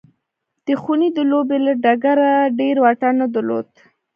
دې خونې د لوبې له ډګره ډېر واټن نه درلود